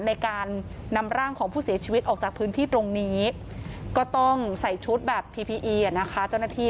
ในการนำร่างของผู้เสียชีวิตออกจากพื้นที่ตรงนี้